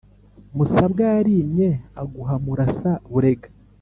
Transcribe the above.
musabwa yarimye aguha murasa-burega,